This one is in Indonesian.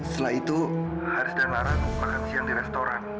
setelah itu haris dan larang makan siang di restoran